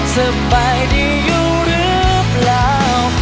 สบายดีอยู่หรือเปล่า